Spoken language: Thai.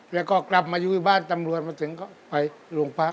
แล้วก็กลับมาอยู่ที่บ้านตำรวจมาถึงก็ไปโรงพัก